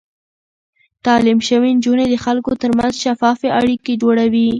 تعليم شوې نجونې د خلکو ترمنځ شفاف اړيکې جوړوي.